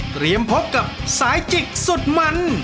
เตรียมพบกับสายจิกสุดมัน